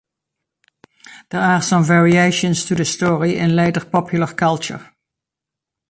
There are some variations to the story in later popular culture.